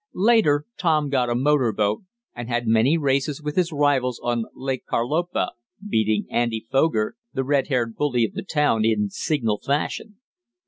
Later Tom got a motor boat, and had many races with his rivals on Lake Carlopa, beating Andy Foger, the red haired bully of the town, in signal fashion.